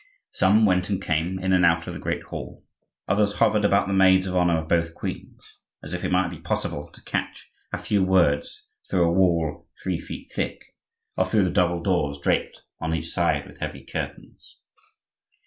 Some went and came, in and out of the great hall; others hovered about the maids of honor of both queens, as if it might be possible to catch a few words through a wall three feet thick or through the double doors draped on each side with heavy curtains.